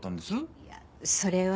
いやそれは。